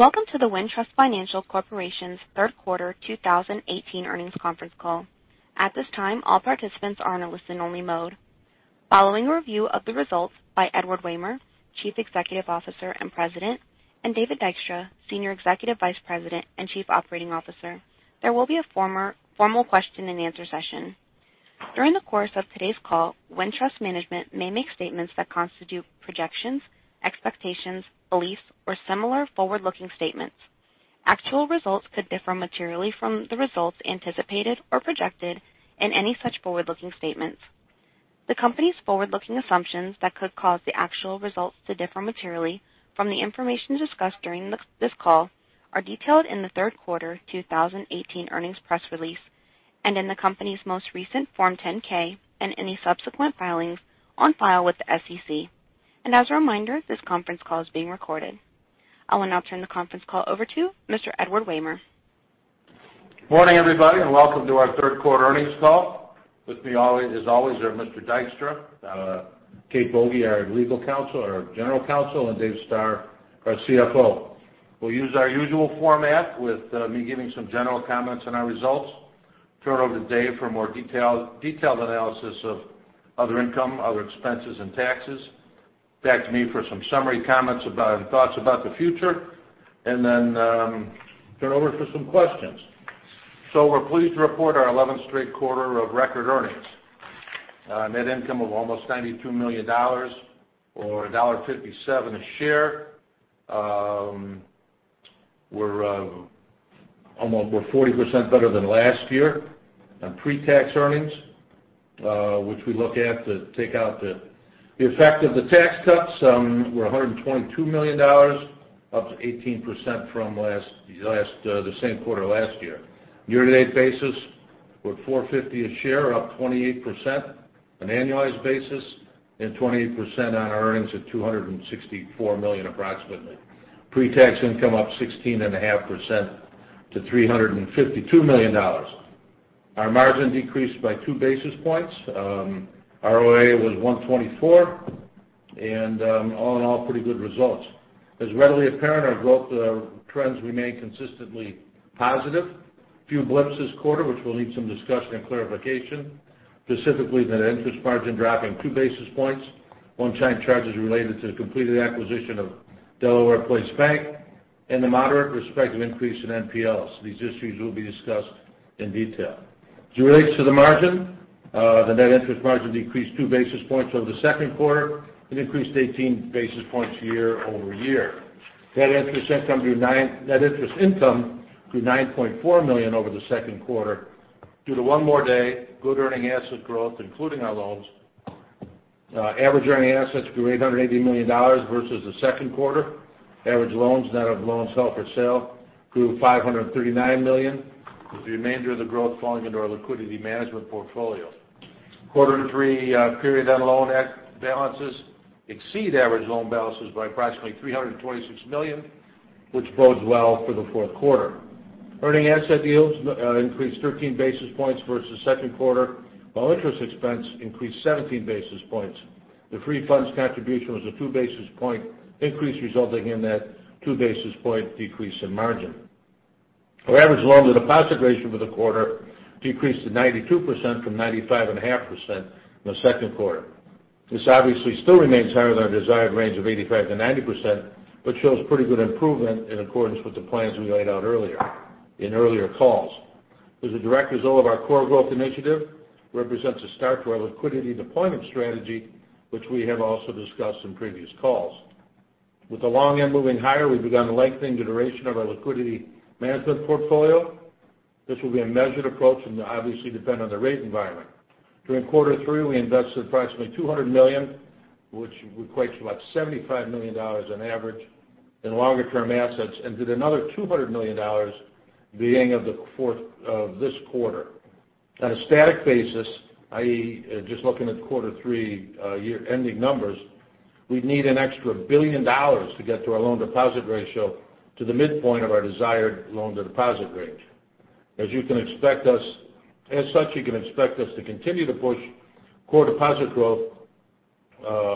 Welcome to the Wintrust Financial Corporation's third quarter 2018 earnings conference call. At this time, all participants are in a listen-only mode. Following a review of the results by Edward Wehmer, Chief Executive Officer and President, and David Dykstra, Senior Executive Vice President and Chief Operating Officer, there will be a formal question and answer session. During the course of today's call, Wintrust management may make statements that constitute projections, expectations, beliefs, or similar forward-looking statements. Actual results could differ materially from the results anticipated or projected in any such forward-looking statements. The company's forward-looking assumptions that could cause the actual results to differ materially from the information discussed during this call are detailed in the third quarter 2018 earnings press release, and in the company's most recent Form 10-K, and any subsequent filings on file with the SEC. As a reminder, this conference call is being recorded. I will now turn the conference call over to Mr. Edward Wehmer. Morning, everybody, and welcome to our third quarter earnings call. With me as always are Mr. Dykstra, Kate Boege, our legal counsel or general counsel, and Dave Stoehr, our CFO. We'll use our usual format with me giving some general comments on our results, turn it over to Dave for more detailed analysis of other income, other expenses, and taxes. Back to me for some summary comments about and thoughts about the future, then turn it over for some questions. We're pleased to report our 11th straight quarter of record earnings. Net income of almost $92 million, or $1.57 a share. We're 40% better than last year on pre-tax earnings, which we look at to take out the effect of the tax cuts were $122 million, up 18% from the same quarter last year. Year-to-date basis, we're $4.50 a share, up 28%, an annualized basis, and 28% on earnings of $264 million approximately. Pre-tax income up 16.5% to $352 million. Our margin decreased by two basis points. ROA was 124, and all in all, pretty good results. As readily apparent, our growth trends remain consistently positive. Few blips this quarter, which will need some discussion and clarification, specifically the net interest margin dropping two basis points, one-time charges related to the completed acquisition of Delaware Place Bank, and the moderate respective increase in NPLs. These issues will be discussed in detail. As it relates to the margin, the net interest margin decreased two basis points over the second quarter. It increased 18 basis points year-over-year. Net interest income to $9.4 million over the second quarter due to one more day, good earning asset growth, including our loans. Average earning assets grew to $880 million versus the second quarter. Average loans, net of loans held for sale, grew to $539 million, with the remainder of the growth falling into our liquidity management portfolio. Quarter three period end loan balances exceed average loan balances by approximately $326 million, which bodes well for the fourth quarter. Earning asset yields increased 13 basis points versus second quarter, while interest expense increased 17 basis points. The free funds contribution was a two basis point increase, resulting in that two basis point decrease in margin. Our average loan-to-deposit ratio for the quarter decreased to 92% from 95.5% in the second quarter. This obviously still remains higher than our desired range of 85%-90%, but shows pretty good improvement in accordance with the plans we laid out earlier in earlier calls. As a direct result of our core growth initiative, represents a start to our liquidity deployment strategy, which we have also discussed in previous calls. With the long end moving higher, we've begun lengthening the duration of our liquidity management portfolio. This will be a measured approach and obviously depend on the rate environment. During Quarter three, we invested approximately $200 million, which equates to about $75 million on average in longer-term assets, and did another $200 million the end of this quarter. On a static basis, i.e., just looking at Quarter three year ending numbers, we'd need an extra $1 billion to get to our loan deposit ratio to the midpoint of our desired loan-to-deposit range. As such, you can expect us to continue to push core deposit growth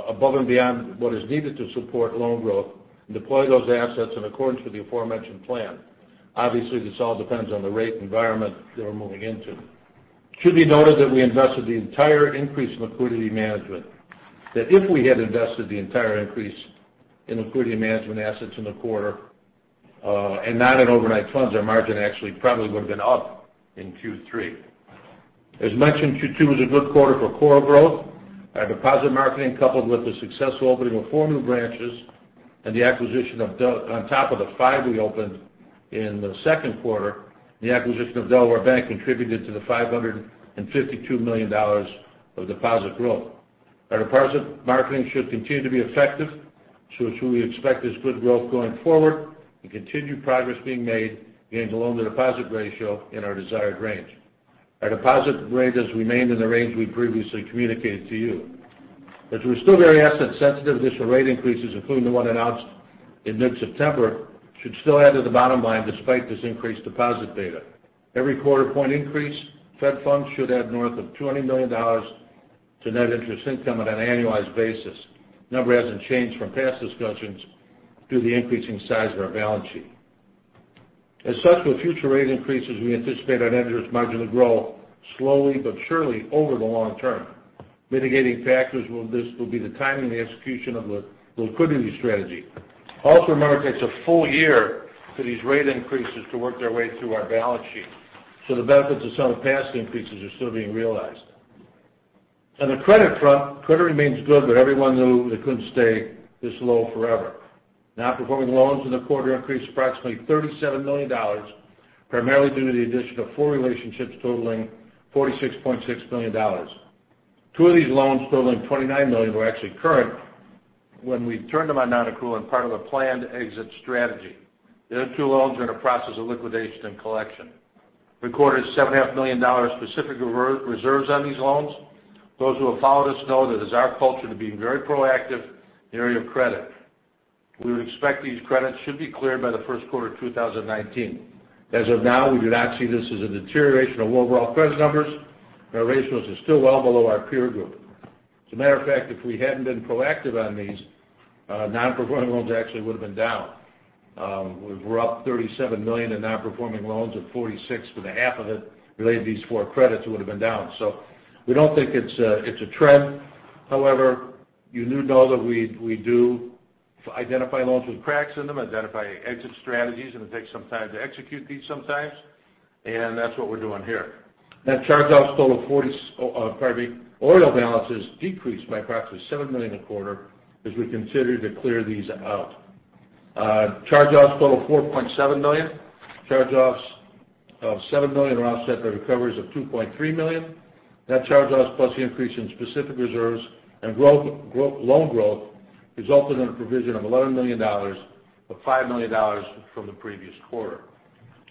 above and beyond what is needed to support loan growth and deploy those assets in accordance with the aforementioned plan. Obviously, this all depends on the rate environment that we're moving into. It should be noted that we invested the entire increase in liquidity management, that if we had invested the entire increase in liquidity management assets in the quarter, and not in overnight funds, our margin actually probably would have been up in Q3. As mentioned, Q2 was a good quarter for core growth. Our deposit marketing, coupled with the successful opening of four new branches on top of the five we opened in the second quarter, the acquisition of Delaware Bank contributed to the $552 million of deposit growth. Our deposit marketing should continue to be effective. We truly expect this good growth going forward and continued progress being made getting the loan-to-deposit ratio in our desired range. Our deposit range has remained in the range we previously communicated to you. As we're still very asset sensitive, additional rate increases, including the one announced in mid-September, should still add to the bottom line despite this increased deposit beta. Every quarter point increase, Fed funds should add north of $200 million to net interest income on an annualized basis. Number hasn't changed from past discussions due to the increasing size of our balance sheet. As such, with future rate increases, we anticipate our net interest margin to grow slowly but surely over the long term. Mitigating factors will be the timing and execution of the liquidity strategy. Also remember, it takes a full year for these rate increases to work their way through our balance sheet. The benefits of some of the past increases are still being realized. On the credit front, credit remains good. Everyone knew it couldn't stay this low forever. Non-performing loans in the quarter increased approximately $37 million, primarily due to the addition of four relationships totaling $46.6 million. Two of these loans, totaling $29 million, were actually current when we turned them on non-accrual and part of a planned exit strategy. The other two loans are in the process of liquidation and collection. Recorded $7.5 million specific reserves on these loans. Those who have followed us know that it is our culture to be very proactive in the area of credit. We would expect these credits should be cleared by the first quarter of 2019. As of now, we do not see this as a deterioration of overall credit numbers. Our ratios are still well below our peer group. As a matter of fact, if we hadn't been proactive on these, non-performing loans actually would've been down. We're up $37 million in non-performing loans of $46 million, but the half of it related to these four credits would've been down. We don't think it's a trend. However, you do know that we do identify loans with cracks in them, identify exit strategies, and it takes some time to execute these sometimes, and that's what we're doing here. OREO balances decreased by approximately $7 million in the quarter as we continue to clear these out. Charge-offs total $4.7 million. Charge-offs of $7 million are offset by recoveries of $2.3 million. Net charge-offs plus the increase in specific reserves and loan growth resulted in a provision of $11 million, up $5 million from the previous quarter.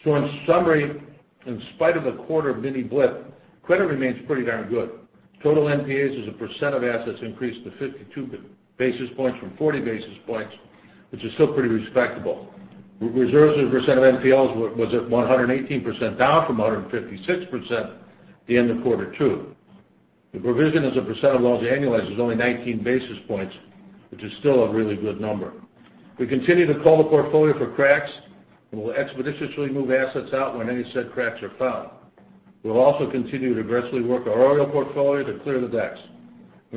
In summary, in spite of a quarter mini blip, credit remains pretty darn good. Total NPAs as a percent of assets increased to 52 basis points from 40 basis points, which is still pretty respectable. Reserves as a percent of NPLs was at 118%, down from 156% at the end of quarter two. The provision as a percent of loans annualized was only 19 basis points, which is still a really good number. We continue to cull the portfolio for cracks, and we'll expeditiously move assets out when any said cracks are found. We'll also continue to aggressively work our OREO portfolio to clear the decks.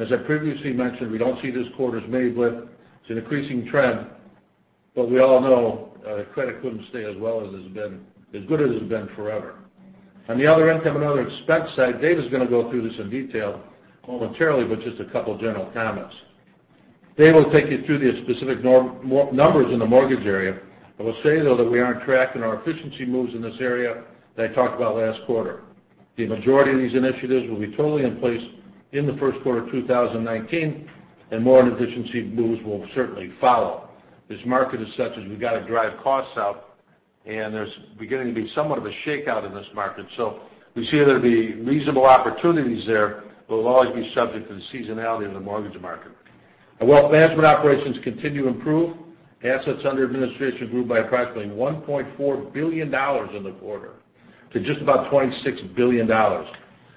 As I previously mentioned, we don't see this quarter's mini blip as an increasing trend, we all know that credit couldn't stay as good as it's been forever. On the other income and other expense side, Dave is going to go through this in detail momentarily, just a couple of general comments. Dave will take you through the specific numbers in the mortgage area. I will say, though, that we are on track in our efficiency moves in this area that I talked about last quarter. The majority of these initiatives will be totally in place in the first quarter of 2019, more efficiency moves will certainly follow. This market is such that we've got to drive costs out, there's beginning to be somewhat of a shakeout in this market. We see there to be reasonable opportunities there, we'll always be subject to the seasonality of the mortgage market. Our wealth management operations continue to improve. Assets under administration grew by approximately $1.4 billion in the quarter to just about $26 billion.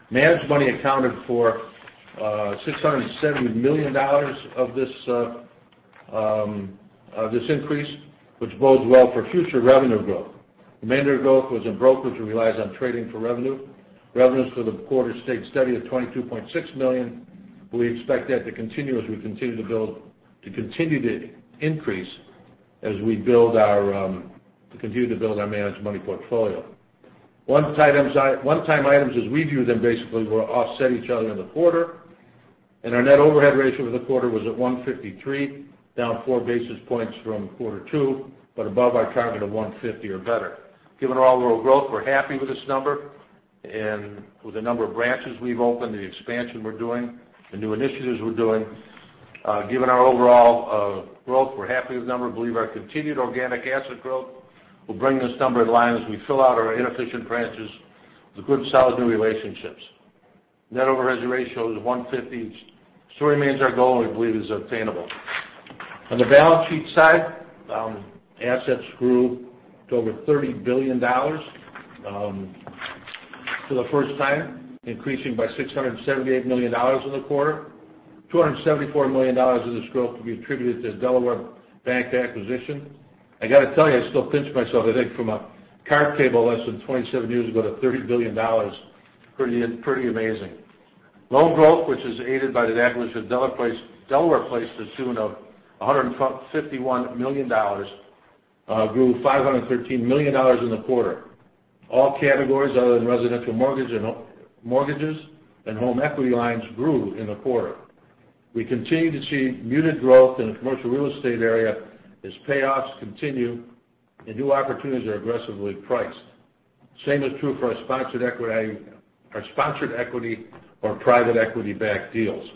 Managed money accounted for $670 million of this increase, which bodes well for future revenue growth. The remainder growth was in brokerage, which relies on trading for revenue. Revenues for the quarter stayed steady at $22.6 million. We expect that to continue to increase as we continue to build our managed money portfolio. One-time items as we view them basically will offset each other in the quarter, and our net overhead ratio for the quarter was at 153, down 4 basis points from quarter two, but above our target of 150 or better. Given our overall growth, we're happy with this number and with the number of branches we've opened, the expansion we're doing, the new initiatives we're doing. Given our overall growth, we're happy with the number. We believe our continued organic asset growth will bring this number in line as we fill out our inefficient branches with good, solid, new relationships. Net overhead ratio is 150. It still remains our goal, and we believe is attainable. On the balance sheet side, assets grew to over $30 billion for the first time, increasing by $678 million in the quarter. $274 million of this growth can be attributed to the Delaware Bank acquisition. I got to tell you, I still pinch myself, I think, from a card table less than 27 years ago to $30 billion. Pretty amazing. Loan growth, which is aided by the acquisition of Delaware Place this June of $151 million, grew $513 million in the quarter. All categories other than residential mortgages and home equity lines grew in the quarter. We continue to see muted growth in the commercial real estate area as payoffs continue and new opportunities are aggressively priced. Same is true for our sponsored equity or private equity-backed deals.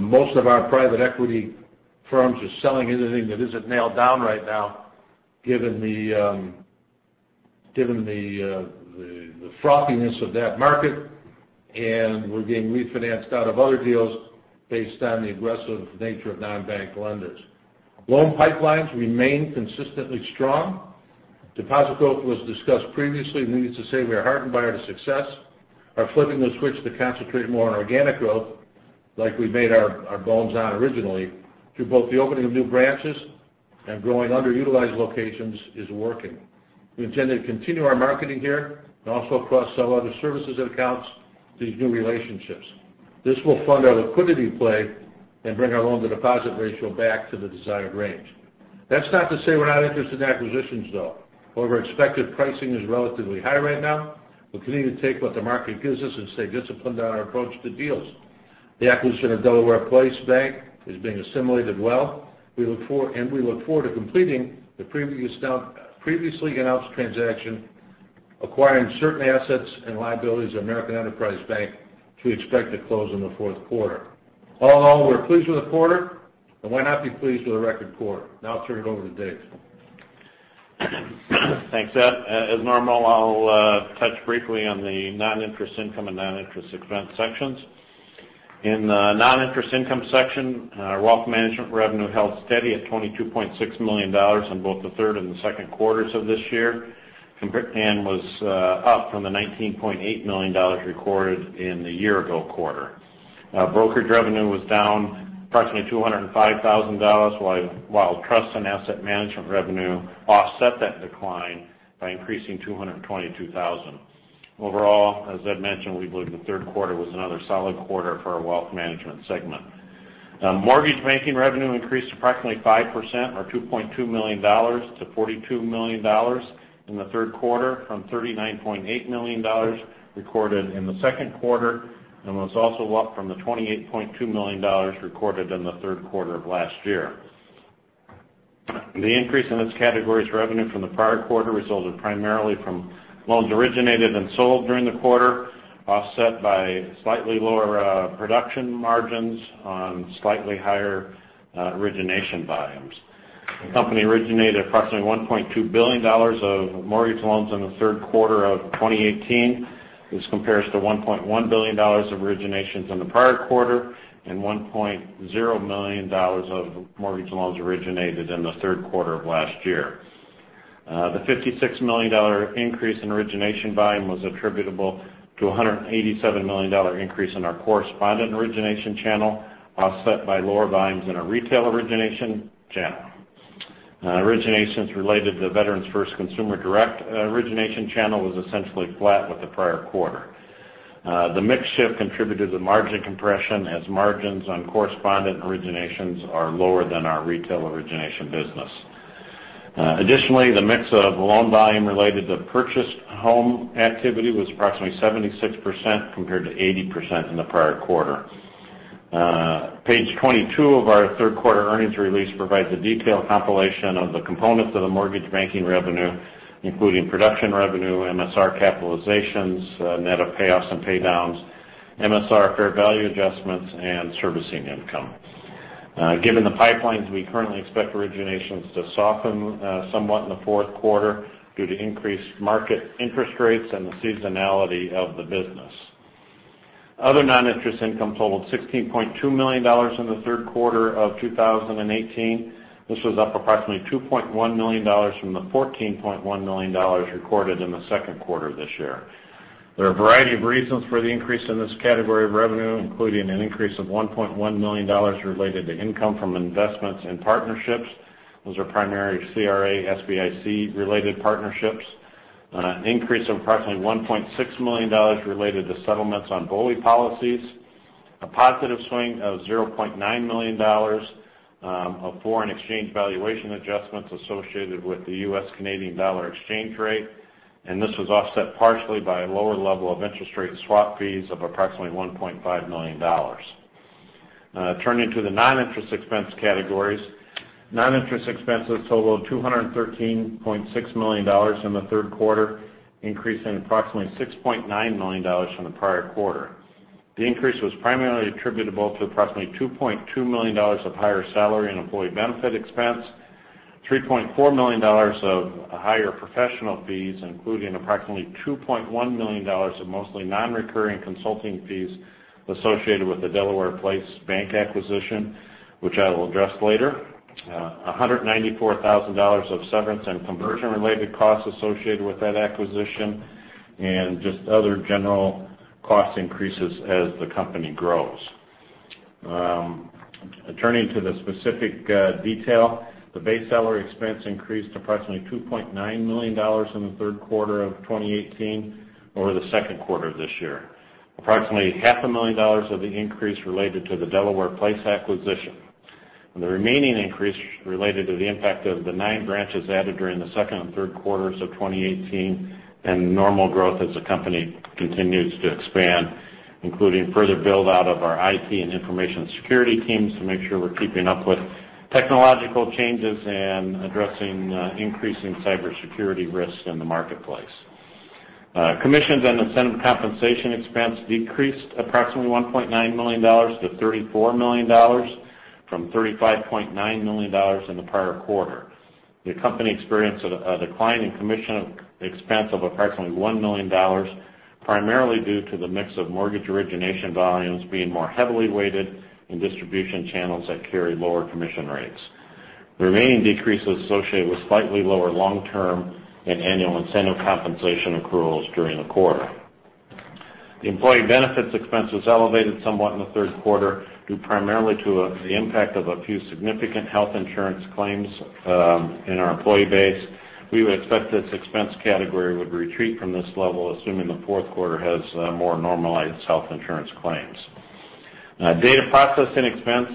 Most of our private equity firms are selling anything that isn't nailed down right now, given the frothiness of that market. We're getting refinanced out of other deals based on the aggressive nature of non-bank lenders. Loan pipelines remain consistently strong. Deposit growth was discussed previously. Needless to say, we are heartened by the success. Our flipping the switch to concentrate more on organic growth, like we made our bones on originally, through both the opening of new branches and growing underutilized locations, is working. We intend to continue our marketing here and also cross-sell other services and accounts to these new relationships. This will fund our liquidity play and bring our loan-to-deposit ratio back to the desired range. That's not to say we're not interested in acquisitions, though. Expected pricing is relatively high right now. We continue to take what the market gives us and stay disciplined in our approach to deals. The acquisition of Delaware Place Bank is being assimilated well. We look forward to completing the previously announced transaction, acquiring certain assets and liabilities of American Enterprise Bank, which we expect to close in the fourth quarter. All in all, we're pleased with the quarter. Why not be pleased with a record quarter? Now I'll turn it over to Dave. Thanks, Ed. As normal, I'll touch briefly on the non-interest income and non-interest expense sections. In the non-interest income section, our wealth management revenue held steady at $22.6 million in both the third and the second quarters of this year, and was up from the $19.8 million recorded in the year-ago quarter. Brokerage revenue was down approximately $205,000, while trust and asset management revenue offset that decline by increasing $222,000. Overall, as Ed mentioned, we believe the third quarter was another solid quarter for our wealth management segment. Mortgage banking revenue increased approximately 5%, or $2.2 million, to $42 million in the third quarter from $39.8 million recorded in the second quarter, and was also up from the $28.2 million recorded in the third quarter of last year. The increase in this category's revenue from the prior quarter resulted primarily from loans originated and sold during the quarter, offset by slightly lower production margins on slightly higher origination volumes. The company originated approximately $1.2 billion of mortgage loans in the third quarter of 2018. This compares to $1.1 billion of originations in the prior quarter and $1.0 million of mortgage loans originated in the third quarter of last year. The $56 million increase in origination volume was attributable to $187 million increase in our correspondent origination channel, offset by lower volumes in our retail origination channel. Originations related to Veterans First Consumer direct origination channel was essentially flat with the prior quarter. The mix shift contributed to margin compression as margins on correspondent originations are lower than our retail origination business. Additionally, the mix of loan volume related to purchased home activity was approximately 76% compared to 80% in the prior quarter. Page 22 of our third quarter earnings release provides a detailed compilation of the components of the mortgage banking revenue, including production revenue, MSR capitalizations, net of payoffs and paydowns, MSR fair value adjustments, and servicing income. Given the pipelines, we currently expect originations to soften somewhat in the fourth quarter due to increased market interest rates and the seasonality of the business. Other non-interest income totaled $16.2 million in the third quarter of 2018. This was up approximately $2.1 million from the $14.1 million recorded in the second quarter this year. There are a variety of reasons for the increase in this category of revenue, including an increase of $1.1 million related to income from investments in partnerships. Those are primarily CRA SBIC-related partnerships. An increase of approximately $1.6 million related to settlements on BOLI policies. A positive swing of $0.9 million of foreign exchange valuation adjustments associated with the U.S. Canadian dollar exchange rate. This was offset partially by a lower level of interest rate swap fees of approximately $1.5 million. Turning to the non-interest expense categories. Non-interest expenses totaled $213.6 million in the third quarter, increasing approximately $6.9 million from the prior quarter. The increase was primarily attributable to approximately $2.2 million of higher salary and employee benefit expense, $3.4 million of higher professional fees, including approximately $2.1 million of mostly non-recurring consulting fees associated with the Delaware Place Bank acquisition, which I will address later. $194,000 of severance and conversion-related costs associated with that acquisition, and just other general cost increases as the company grows. Turning to the specific detail, the base salary expense increased approximately $2.9 million in the third quarter of 2018 over the second quarter of this year. Approximately $500,000 of the increase related to the Delaware Place acquisition. The remaining increase related to the impact of the nine branches added during the second and third quarters of 2018 and normal growth as the company continues to expand, including further build-out of our IT and information security teams to make sure we're keeping up with technological changes and addressing increasing cybersecurity risks in the marketplace. Commissions and incentive compensation expense decreased approximately $1.9 million to $34 million from $35.9 million in the prior quarter. The company experienced a decline in commission expense of approximately $1 million. Primarily due to the mix of mortgage origination volumes being more heavily weighted in distribution channels that carry lower commission rates. The remaining decreases associated with slightly lower long-term and annual incentive compensation accruals during the quarter. The employee benefits expense was elevated somewhat in the third quarter due primarily to the impact of a few significant health insurance claims in our employee base. We would expect this expense category would retreat from this level, assuming the fourth quarter has more normalized health insurance claims. Data processing expense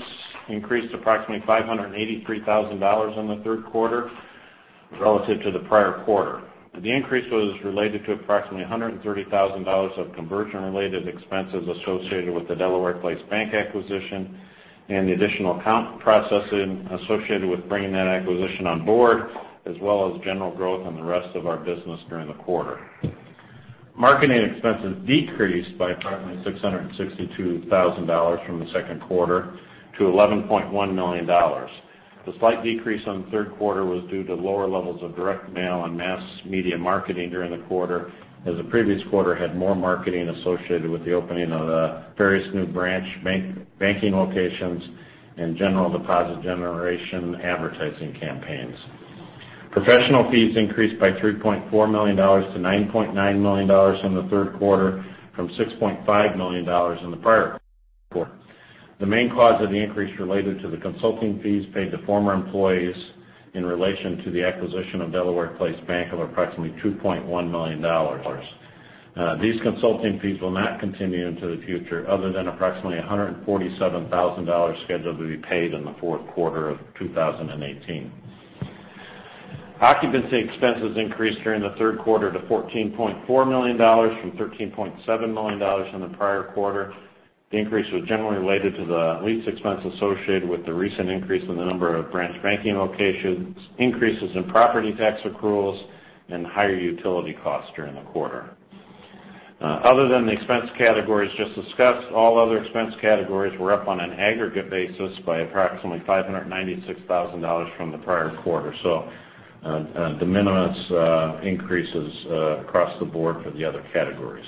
increased approximately $583,000 in the third quarter relative to the prior quarter. The increase was related to approximately $130,000 of conversion-related expenses associated with the Delaware Place Bank acquisition and the additional account processing associated with bringing that acquisition on board, as well as general growth in the rest of our business during the quarter. Marketing expenses decreased by approximately $662,000 from the second quarter to $11.1 million. The slight decrease on the third quarter was due to lower levels of direct mail and mass media marketing during the quarter, as the previous quarter had more marketing associated with the opening of the various new branch banking locations and general deposit generation advertising campaigns. Professional fees increased by $3.4 million to $9.9 million in the third quarter from $6.5 million in the prior quarter. The main cause of the increase related to the consulting fees paid to former employees in relation to the acquisition of Delaware Place Bank of approximately $2.1 million. These consulting fees will not continue into the future other than approximately $147,000 scheduled to be paid in the fourth quarter of 2018. Occupancy expenses increased during the third quarter to $14.4 million from $13.7 million in the prior quarter. The increase was generally related to the lease expense associated with the recent increase in the number of branch banking locations, increases in property tax accruals, and higher utility costs during the quarter. Other than the expense categories just discussed, all other expense categories were up on an aggregate basis by approximately $596,000 from the prior quarter. De minimis increases across the board for the other categories.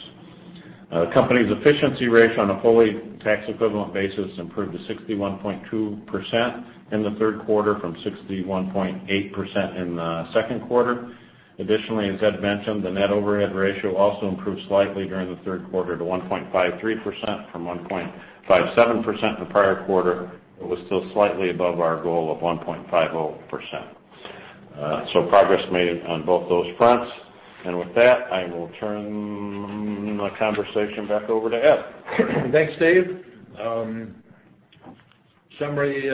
The company's efficiency ratio on a fully tax-equivalent basis improved to 61.2% in the third quarter from 61.8% in the second quarter. Additionally, as Ed mentioned, the net overhead ratio also improved slightly during the third quarter to 1.53% from 1.57% in the prior quarter, but was still slightly above our goal of 1.50%. Progress made on both those fronts. With that, I will turn the conversation back over to Ed. Thanks, Dave. Summary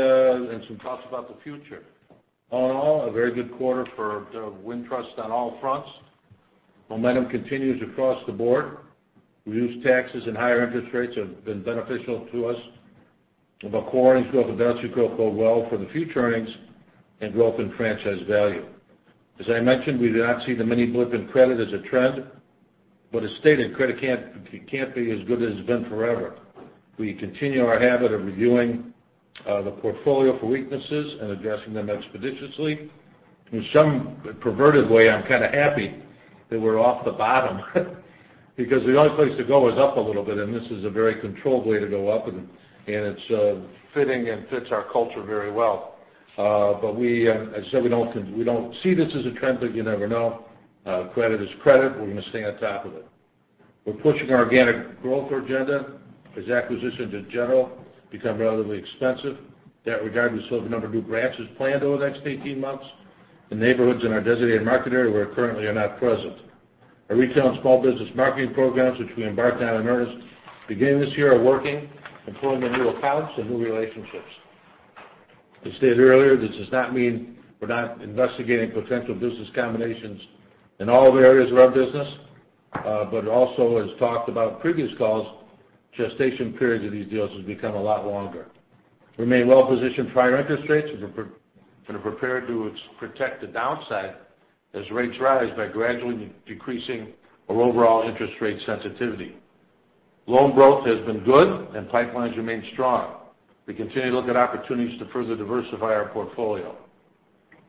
and some thoughts about the future. All in all, a very good quarter for Wintrust on all fronts. Momentum continues across the board. Reduced taxes and higher interest rates have been beneficial to us. The core earnings growth and balance sheet growth bode well for the future earnings and growth in franchise value. As I mentioned, we do not see the mini blip in credit as a trend. As stated, credit can't be as good as it's been forever. We continue our habit of reviewing the portfolio for weaknesses and addressing them expeditiously. In some perverted way, I'm kind of happy that we're off the bottom because the only place to go is up a little bit, and this is a very controlled way to go up, and it's fitting and fits our culture very well. As I said, we don't see this as a trend, but you never know. Credit is credit. We're going to stay on top of it. We're pushing our organic growth agenda because acquisitions, in general, become relatively expensive. That regardless of the number of new branches planned over the next 18 months, the neighborhoods in our designated market area where currently are not present. Our retail and small business marketing programs, which we embarked on in earnest beginning this year, are working and pulling in new accounts and new relationships. As stated earlier, this does not mean we're not investigating potential business combinations in all the areas of our business. Also, as talked about in previous calls, gestation periods of these deals has become a lot longer. Remain well-positioned for higher interest rates and are prepared to protect the downside as rates rise by gradually decreasing our overall interest rate sensitivity. Loan growth has been good, and pipelines remain strong. We continue to look at opportunities to further diversify our portfolio.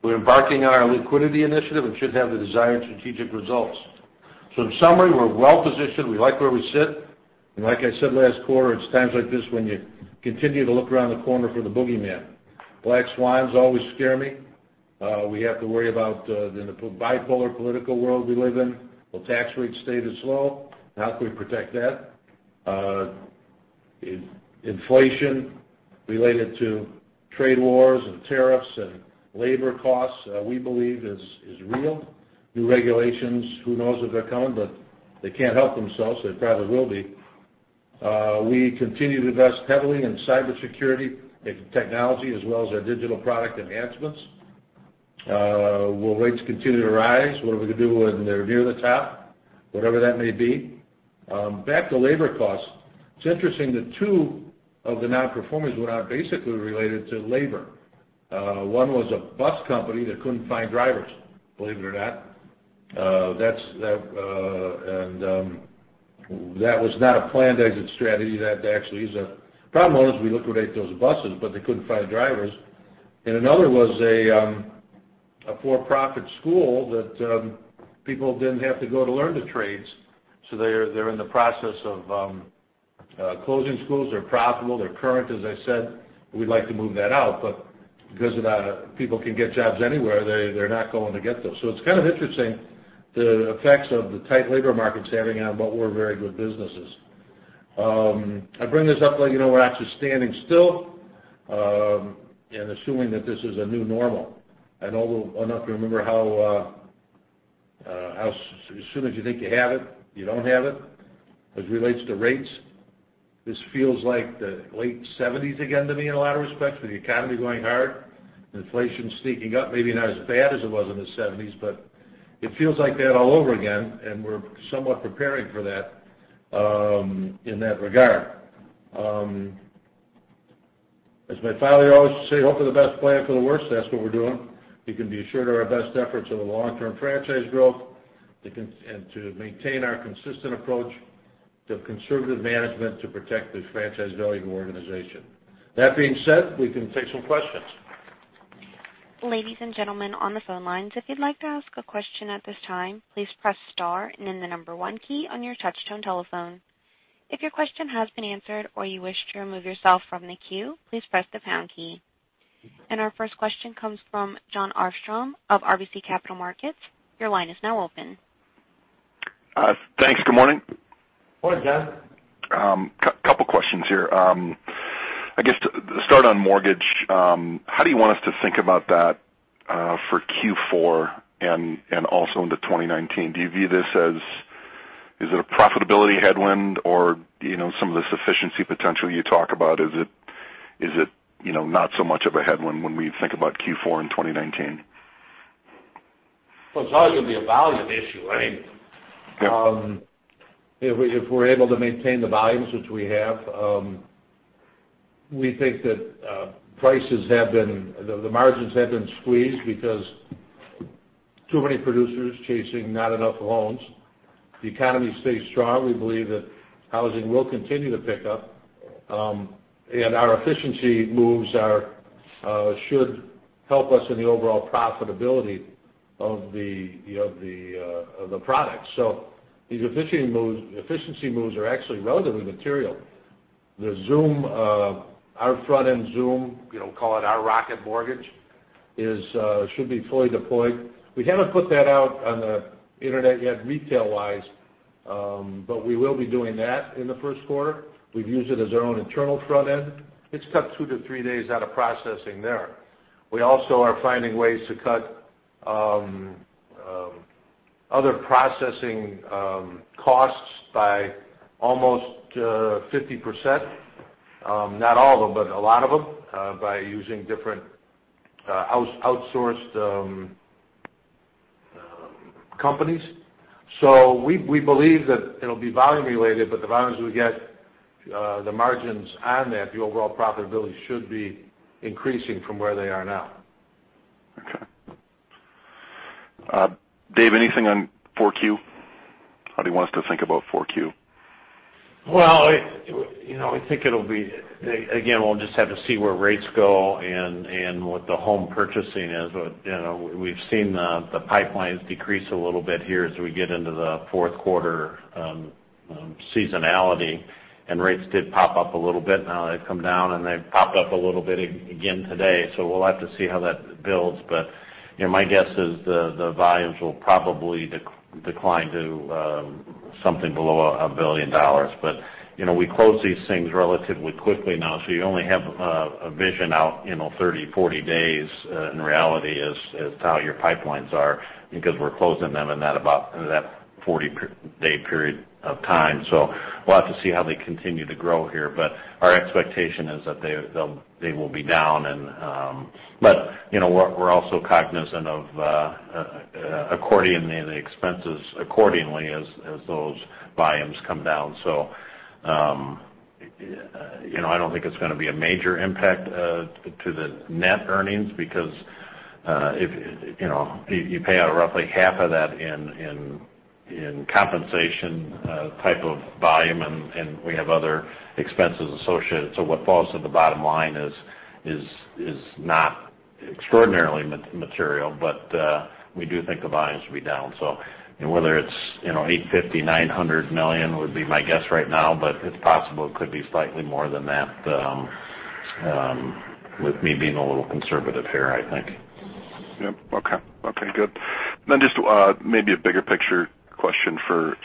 We're embarking on our liquidity initiative and should have the desired strategic results. In summary, we're well positioned. We like where we sit. Like I said last quarter, it's times like this when you continue to look around the corner for the boogeyman. Black swans always scare me. We have to worry about in the bipolar political world we live in. Will tax rates stay this low? How can we protect that? Inflation related to trade wars and tariffs and labor costs, we believe is real. New regulations, who knows if they're coming, but they can't help themselves. They probably will be. We continue to invest heavily in cybersecurity technology as well as our digital product enhancements. Will rates continue to rise? What are we going to do when they're near the top? Whatever that may be. Back to labor costs. It's interesting that two of the non-performers were now basically related to labor. One was a bus company that couldn't find drivers, believe it or not. That was not a planned exit strategy. That actually is a problem. As we liquidate those buses, but they couldn't find drivers. Another was a for-profit school that people didn't have to go to learn the trades. They're in the process of closing schools. They're profitable, they're current, as I said. We'd like to move that out, but because of people can get jobs anywhere, they're not going to get those. It's kind of interesting the effects of the tight labor markets having on what were very good businesses. I bring this up, we're actually standing still and assuming that this is a new normal. I know old enough to remember how as soon as you think you have it, you don't have it, as it relates to rates. This feels like the late '70s again to me in a lot of respects, with the economy going hard and inflation sneaking up. Maybe not as bad as it was in the '70s, but it feels like that all over again, and we're somewhat preparing for that in that regard. As my father always used to say, "Hope for the best, plan for the worst." That's what we're doing. You can be assured of our best efforts on the long-term franchise growth and to maintain our consistent approach to conservative management to protect the franchise value of the organization. That being said, we can take some questions. Ladies and gentlemen on the phone lines, if you'd like to ask a question at this time, please press star and then the number 1 key on your touch-tone telephone. If your question has been answered or you wish to remove yourself from the queue, please press the pound key. Our first question comes from Jon Arfstrom of RBC Capital Markets. Your line is now open. Thanks. Good morning. Morning, Jon. Couple questions here. I guess to start on mortgage. How do you want us to think about that for Q4 and also into 2019? Do you view this as a profitability headwind or some of this efficiency potential you talk about, is it not so much of a headwind when we think about Q4 in 2019? Well, it's always going to be a volume issue, right? Yep. If we're able to maintain the volumes which we have. We think that the margins have been squeezed because too many producers chasing not enough loans. The economy stays strong. We believe that housing will continue to pick up. Our efficiency moves should help us in the overall profitability of the products. These efficiency moves are actually relatively material. Our front-end ZūM, call it our Rocket Mortgage, should be fully deployed. We haven't put that out on the internet yet retail-wise, but we will be doing that in the first quarter. We've used it as our own internal front end. It's cut two to three days out of processing there. We also are finding ways to cut other processing costs by almost 50%. Not all of them, but a lot of them, by using different outsourced companies. We believe that it'll be volume related, but the volumes we get, the margins on that, the overall profitability should be increasing from where they are now. Okay. Dave, anything on 4Q? How do you want us to think about 4Q? I think it'll be, again, we'll just have to see where rates go and what the home purchasing is. We've seen the pipelines decrease a little bit here as we get into the fourth quarter seasonality, rates did pop up a little bit. Now they've come down, they've popped up a little bit again today. We'll have to see how that builds. My guess is the volumes will probably decline to something below $1 billion. We close these things relatively quickly now, so you only have a vision out 30, 40 days in reality is how your pipelines are, because we're closing them in that 40-day period of time. We'll have to see how they continue to grow here. Our expectation is that they will be down. We're also cognizant of accordioning the expenses accordingly as those volumes come down. I don't think it's going to be a major impact to the net earnings because you pay out roughly half of that in compensation type of volume, we have other expenses associated. What falls to the bottom line is not extraordinarily material. We do think the volumes will be down. Whether it's $850 million, $900 million would be my guess right now, but it's possible it could be slightly more than that with me being a little conservative here, I think. Yep. Okay, good. Just maybe a bigger picture question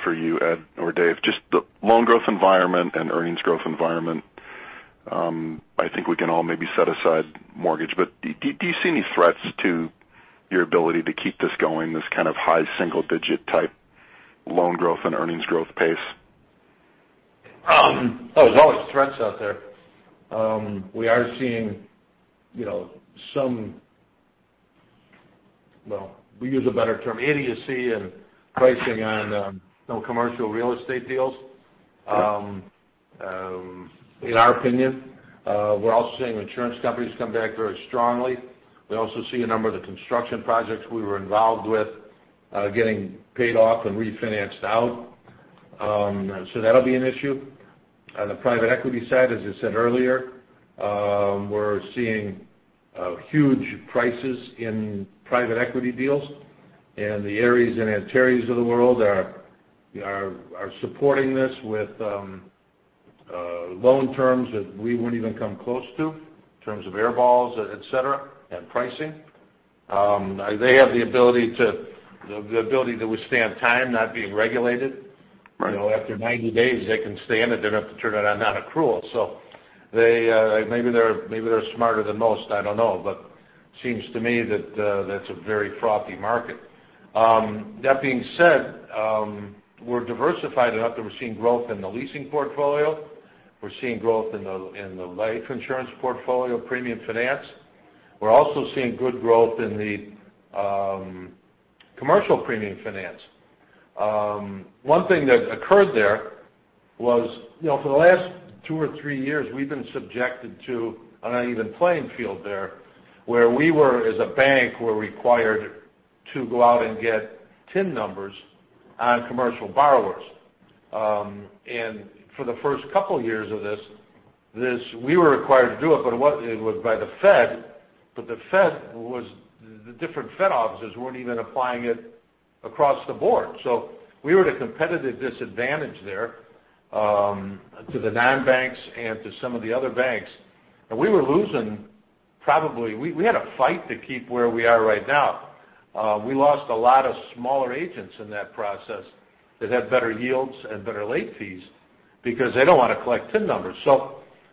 for you, Ed or Dave. Just the loan growth environment and earnings growth environment. I think we can all maybe set aside mortgage, but do you see any threats to your ability to keep this going, this kind of high single-digit type loan growth and earnings growth pace? There's always threats out there. We are seeing some idiocy in pricing on commercial real estate deals. Sure. In our opinion. We're also seeing insurance companies come back very strongly. We also see a number of the construction projects we were involved with getting paid off and refinanced out. That'll be an issue. On the private equity side, as I said earlier, we're seeing huge prices in private equity deals, and the Ares and Antares of the world are supporting this with loan terms that we wouldn't even come close to in terms of air balls, etcetera, and pricing. They have the ability to withstand time, not being regulated. Right. After 90 days, they can stay in it. They don't have to turn it on non-accrual. Maybe they're smarter than most, I don't know. It seems to me that that's a very frothy market. That being said, we're diversified enough that we're seeing growth in the leasing portfolio. We're seeing growth in the life insurance portfolio, premium finance. We're also seeing good growth in the commercial premium finance. One thing that occurred there was, for the last two or three years, we've been subjected to an uneven playing field there, where we were, as a bank, were required to go out and get TIN numbers on commercial borrowers. For the first couple of years of this, we were required to do it. It was by the Fed, but the different Fed officers weren't even applying it across the board. We were at a competitive disadvantage there to the non-banks and to some of the other banks. We were losing probably. We had to fight to keep where we are right now. We lost a lot of smaller agents in that process that had better yields and better late fees because they don't want to collect TIN numbers.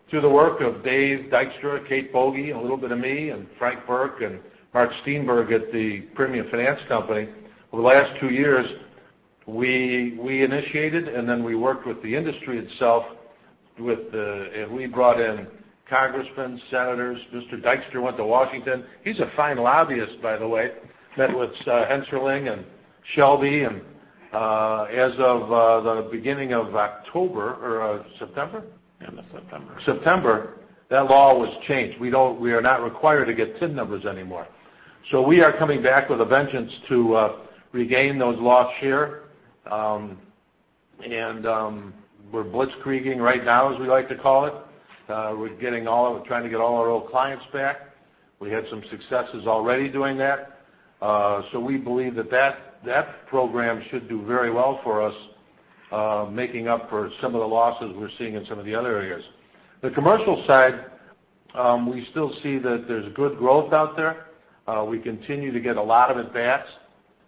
Through the work of David Dykstra, Kate Boege, a little bit of me and Frank Burke and Mark Steenberg at the premium finance company, over the last two years, we initiated. Then we worked with the industry itself. We brought in congressmen, senators. Mr. Dykstra went to Washington. He's a fine lobbyist, by the way. Met with Hensarling and Shelby. As of the beginning of October or September? End of September. September, that law was changed. We are not required to get TIN numbers anymore. We are coming back with a vengeance to regain those lost share. We're blitzkrieging right now, as we like to call it. We're trying to get all our old clients back. We had some successes already doing that. We believe that program should do very well for us, making up for some of the losses we're seeing in some of the other areas. The commercial side, we still see that there's good growth out there. We continue to get a lot of advance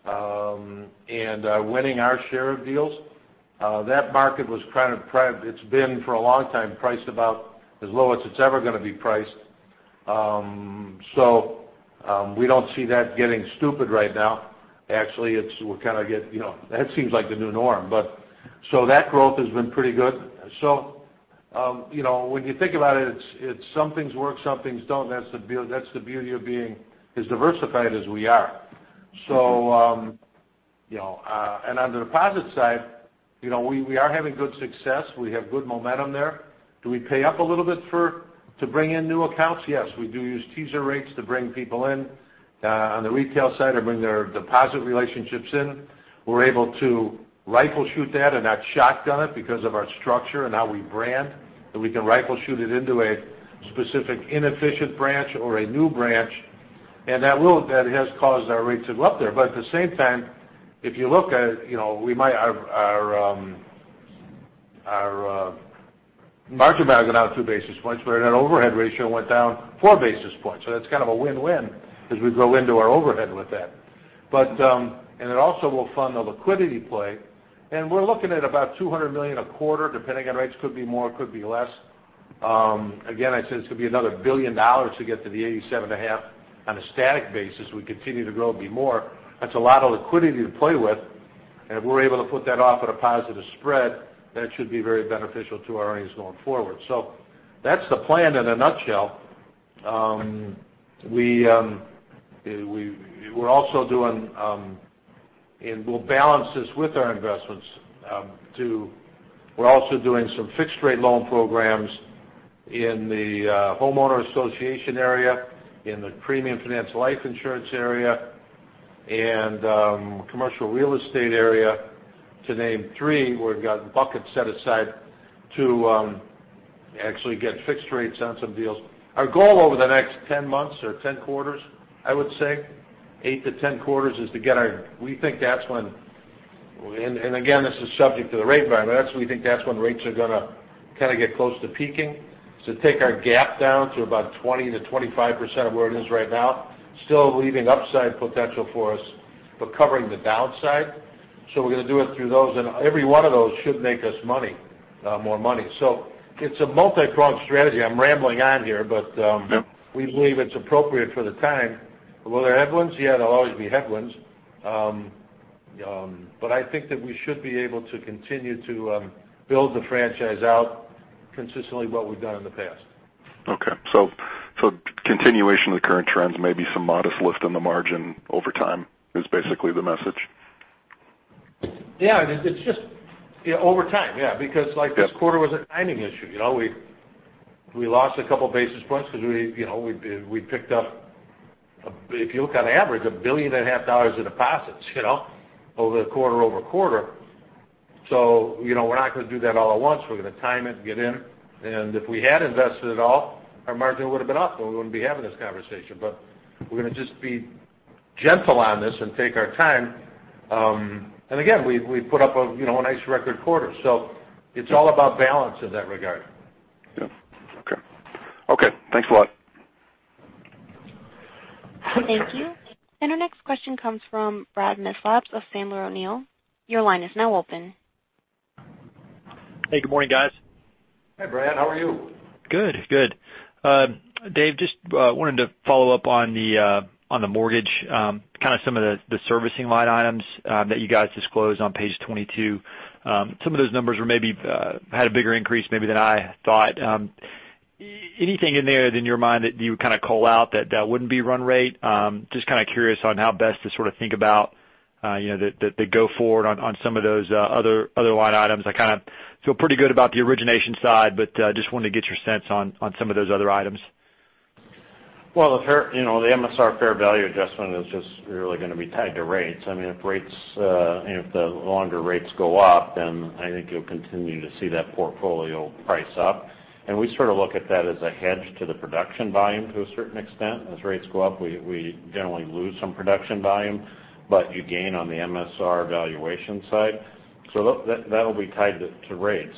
and are winning our share of deals. That market it's been, for a long time, priced about as low as it's ever going to be priced. We don't see that getting stupid right now. Actually, that seems like the new norm. That growth has been pretty good. When you think about it, some things work, some things don't. That's the beauty of being as diversified as we are. On the deposit side, we are having good success. We have good momentum there. Do we pay up a little bit to bring in new accounts? Yes. We do use teaser rates to bring people in on the retail side or bring their deposit relationships in. We're able to rifle shoot that and not shotgun it because of our structure and how we brand, that we can rifle shoot it into a specific inefficient branch or a new branch. That has caused our rates to go up there. At the same time, if you look at it, our margin may have gone out two basis points, but our overhead ratio went down four basis points. That's kind of a win-win as we grow into our overhead with that. It also will fund the liquidity play. We're looking at about $200 million a quarter, depending on rates. Could be more, could be less. Again, I said it's going to be another $1 billion to get to the 87.5 on a static basis. We continue to grow and be more. That's a lot of liquidity to play with. If we're able to put that off at a positive spread, that should be very beneficial to our earnings going forward. That's the plan in a nutshell. We'll balance this with our investments, too. We're also doing some fixed rate loan programs in the homeowner association area, in the premium finance life insurance area, and commercial real estate area to name three. We've got buckets set aside to actually get fixed rates on some deals. Our goal over the next 10 months or 10 quarters, I would say 8 to 10 quarters, is to get, and again, this is subject to the rate environment. We think that's when rates are going to kind of get close to peaking. Take our gap down to about 20%-25% of where it is right now, still leaving upside potential for us, but covering the downside. We're going to do it through those. Every one of those should make us more money. It's a multi-pronged strategy. I'm rambling on here. We believe it's appropriate for the time. Will there be headwinds? Yeah, there'll always be headwinds. I think that we should be able to continue to build the franchise out consistently what we've done in the past. Okay. Continuation of the current trends, maybe some modest lift on the margin over time is basically the message? Yeah. Over time, yeah. Because this quarter was a timing issue. We lost a couple basis points because we picked up, if you look on average, a billion and a half dollars in deposits over the quarter. We're not going to do that all at once. We're going to time it, get in, and if we had invested it all, our margin would've been up, and we wouldn't be having this conversation. We're going to just be gentle on this and take our time. Again, we've put up a nice record quarter. It's all about balance in that regard. Yeah. Okay. Thanks a lot. Thank you. Our next question comes from Brad Milsaps of Sandler O'Neill. Your line is now open. Hey, good morning, guys. Hi, Brad. How are you? Good. Dave, just wanted to follow up on the mortgage, kind of some of the servicing line items that you guys disclosed on page 22. Some of those numbers maybe had a bigger increase maybe than I thought. Anything in there that, in your mind, that you would call out that wouldn't be run rate? Just kind of curious on how best to sort of think about the go forward on some of those other line items. I kind of feel pretty good about the origination side, but just wanted to get your sense on some of those other items. Well, the MSR fair value adjustment is just really going to be tied to rates. If the longer rates go up, then I think you'll continue to see that portfolio price up. We sort of look at that as a hedge to the production volume to a certain extent. As rates go up, we generally lose some production volume, but you gain on the MSR valuation side. That'll be tied to rates.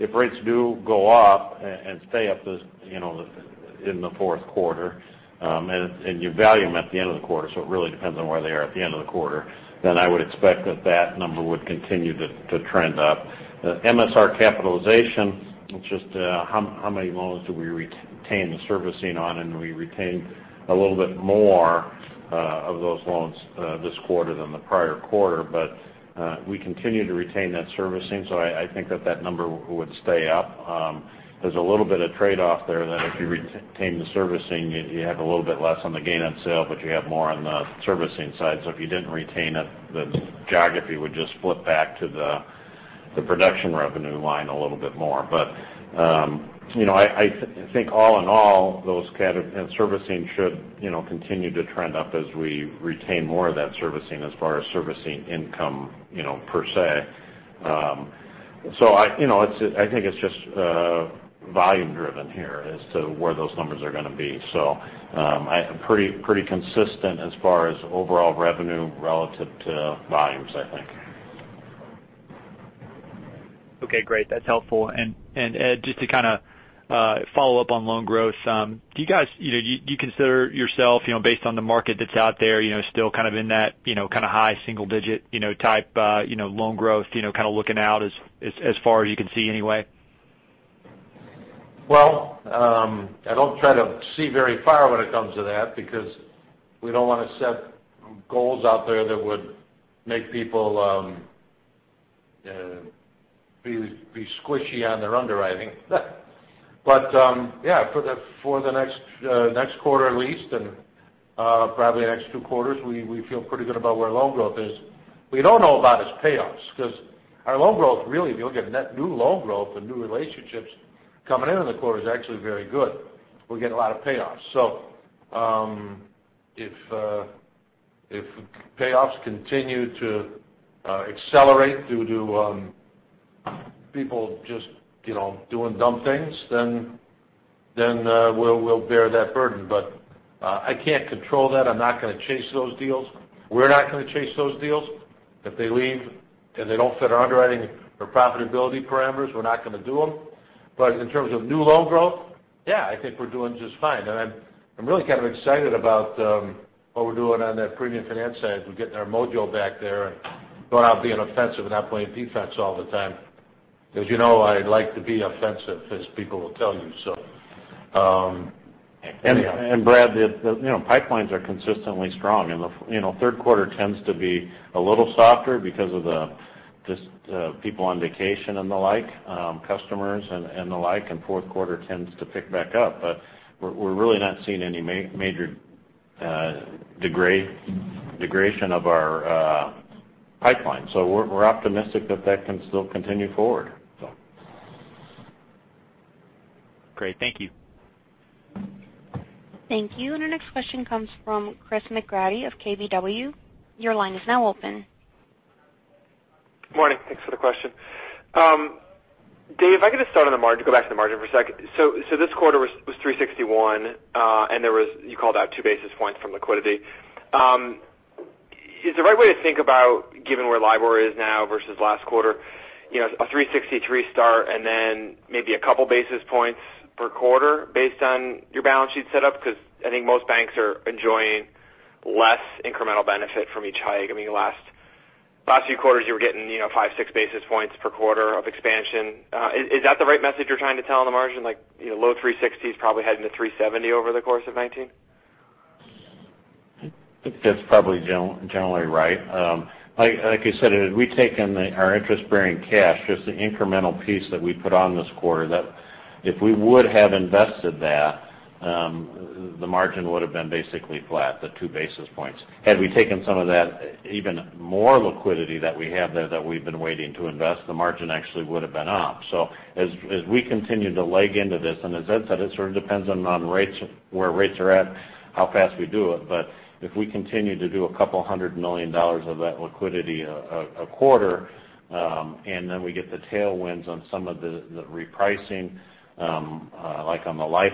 If rates do go up and stay up in the fourth quarter, and you value them at the end of the quarter, so it really depends on where they are at the end of the quarter, then I would expect that that number would continue to trend up. The MSR capitalization, it's just how many loans do we retain the servicing on, we retain a little bit more of those loans this quarter than the prior quarter. We continue to retain that servicing, I think that that number would stay up. There's a little bit of trade-off there that if you retain the servicing, you have a little bit less on the gain on sale, but you have more on the servicing side. If you didn't retain it, the geography would just flip back to the production revenue line a little bit more. I think all in all, those kind of servicing should continue to trend up as we retain more of that servicing as far as servicing income per se. I think it's just volume driven here as to where those numbers are going to be. Pretty consistent as far as overall revenue relative to volumes, I think. Okay, great. That's helpful. Ed, just to kind of follow up on loan growth. Do you consider yourself, based on the market that's out there, still kind of in that high single digit type loan growth, kind of looking out as far as you can see anyway? Well, I don't try to see very far when it comes to that because we don't want to set goals out there that would make people be squishy on their underwriting. Yeah, for the next quarter at least, and probably the next two quarters, we feel pretty good about where loan growth is. What we don't know about is payoffs because our loan growth, really, if you look at net new loan growth and new relationships coming into the quarter, is actually very good. We get a lot of payoffs. If payoffs continue to accelerate due to people just doing dumb things, then we'll bear that burden. I can't control that. I'm not going to chase those deals. We're not going to chase those deals. If they leave and they don't fit our underwriting or profitability parameters, we're not going to do them. In terms of new loan growth, yeah, I think we're doing just fine. I'm really kind of excited about what we're doing on that premium finance side. We're getting our mojo back there and going out and being offensive and not playing defense all the time. Because you know I like to be offensive, as people will tell you. Brad, the pipelines are consistently strong. The third quarter tends to be a little softer because of the people on vacation and the like, customers and the like. Fourth quarter tends to pick back up. We're really not seeing any major degradation of our pipeline. We're optimistic that that can still continue forward. Great. Thank you. Thank you. Our next question comes from Chris McGratty of KBW. Your line is now open. Morning. Thanks for the question. Dave, if I could just go back to the margin for a second. This quarter was 361, and you called out 2 basis points from liquidity. Is the right way to think about, given where LIBOR is now versus last quarter, a 363 start and then maybe a couple basis points per quarter based on your balance sheet set up? I think most banks are enjoying less incremental benefit from each hike. The last few quarters you were getting 5, 6 basis points per quarter of expansion. Is that the right message you're trying to tell on the margin? Low 360s probably heading to 370 over the course of 2019? I think that's probably generally right. Like I said, we've taken our interest-bearing cash, just the incremental piece that we put on this quarter, that if we would have invested that. The margin would have been basically flat, the 2 basis points. Had we taken some of that even more liquidity that we have there that we've been waiting to invest, the margin actually would have been up. As we continue to leg into this, and as Ed said, it sort of depends on where rates are at, how fast we do it. If we continue to do a couple hundred million dollars of that liquidity a quarter, and then we get the tailwinds on some of the repricing, like on the life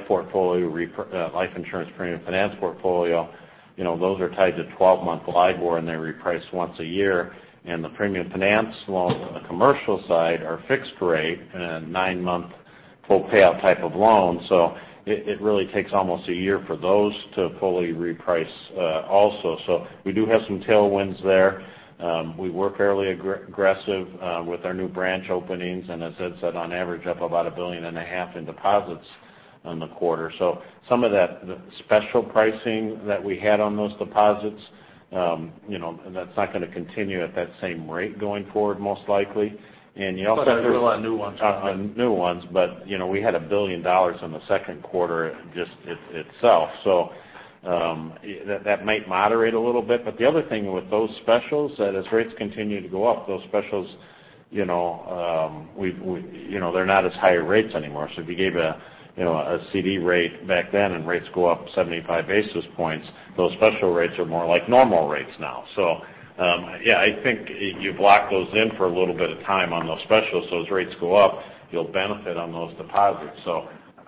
insurance premium finance portfolio. Those are tied to 12-month LIBOR, and they reprice once a year. The premium finance loans on the commercial side are fixed rate and a nine-month full payout type of loan. It really takes almost a year for those to fully reprice also. We do have some tailwinds there. We were fairly aggressive with our new branch openings, and as Ed said, on average, up about a billion and a half in deposits on the quarter. Some of that, the special pricing that we had on those deposits, that's not going to continue at that same rate going forward, most likely. There are a lot of new ones coming. A lot of new ones. We had $1 billion in the second quarter just itself. That might moderate a little bit. The other thing with those specials, that as rates continue to go up, those specials, they're not as high rates anymore. If you gave a CD rate back then and rates go up 75 basis points, those special rates are more like normal rates now. Yeah, I think you block those in for a little bit of time on those specials. As rates go up, you'll benefit on those deposits.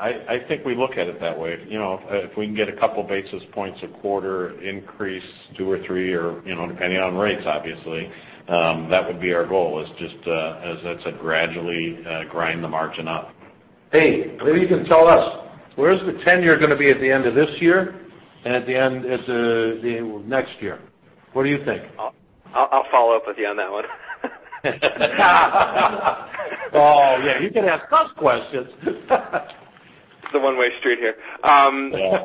I think we look at it that way. If we can get a couple basis points a quarter increase, two or three, depending on rates, obviously, that would be our goal is just, as Ed said, gradually grind the margin up. Dave, maybe you can tell us where's the 10-year going to be at the end of this year and at the end of next year. What do you think? I'll follow up with you on that one. Oh, yeah, you can ask us questions. It's a one-way street here. Yeah.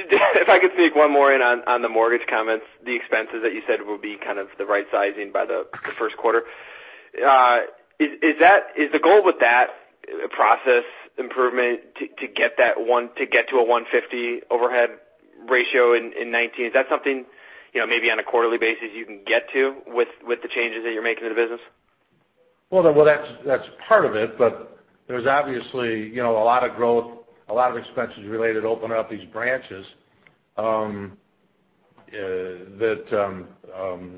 If I could sneak one more in on the mortgage comments, the expenses that you said would be kind of the right-sizing by the first quarter. Is the goal with that process improvement to get to a 150 overhead ratio in 2019? Is that something maybe on a quarterly basis you can get to with the changes that you're making to the business? Well, that's part of it. There's obviously a lot of growth, a lot of expenses related to opening up these branches that